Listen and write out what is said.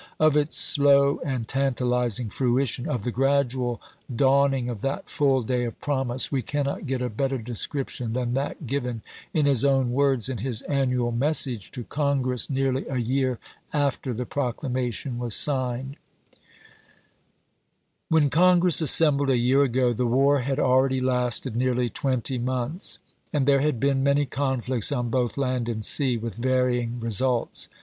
Of its slow 438 ABRAHAM LINCOLN Chap. XIX. and tantalizing fruition, of the gi^adual dawning of that full day of promise, we cannot get a better description than that given in his own words in his annual message to Congress, nearly a year after the proclamation was signed : When Congress assembled a year ago the war had already lasted nearly twenty months, and there had been many conflicts on both land and sea, with varying results.